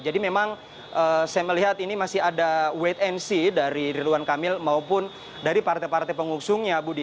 jadi memang saya melihat ini masih ada wait and see dari ridwan kamil maupun dari partai partai pengusungnya budi